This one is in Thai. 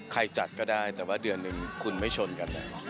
จัดก็ได้แต่ว่าเดือนหนึ่งคุณไม่ชนกัน